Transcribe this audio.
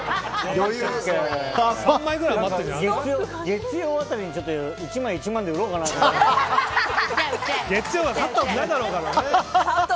月曜辺りに１枚１万円で売ろうかなと。